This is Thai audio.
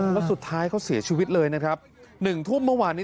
แล้วสุดท้ายเขาเสียชีวิตเลยนะครับ๑ทุ่มเมื่อวานนี้